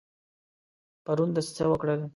پرون د څه وکړل؟